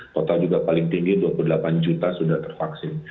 total juga paling tinggi dua puluh delapan juta sudah tervaksin